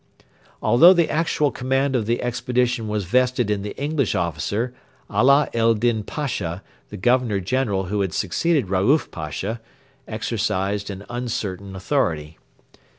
Although the actual command of the expedition was vested in the English officer, Ala ed Din Pasha, the Governor General who had succeeded Raouf Pasha, exercised an uncertain authority.